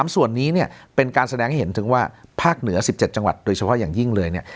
ส่วนนี้เนี่ยเป็นการแสดงให้เห็นถึงว่าภาคเหนือ๑๗จังหวัดโดยเฉพาะอย่างยิ่งเลยเนี่ย